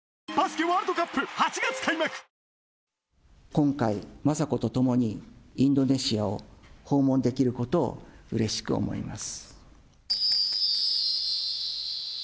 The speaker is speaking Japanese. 今回、雅子と共にインドネシアを訪問できることをうれしく思います。